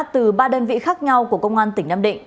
từ ba đơn vị khác nhau của công an tỉnh nam định